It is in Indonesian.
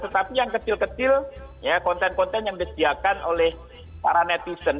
tetapi yang kecil kecil ya konten konten yang disediakan oleh para netizen